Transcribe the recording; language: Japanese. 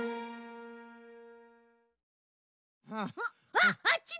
あっあっちだ！